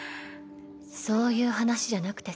そういう話じゃなくてさ。